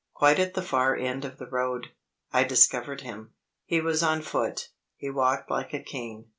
Quite at the far end of the road, I discovered him. He was on foot; he walked like a king.